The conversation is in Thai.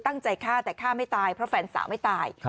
ตั้งใจฆ่าแต่ฆ่าไม่ตายเพราะแฟนสาวไม่ตาย